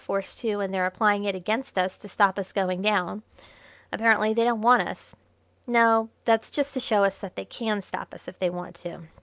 Force too, and they're applying it against us to stop us going down. Apparently they don't want us. No, that's just to show us that they can stop us if they want to.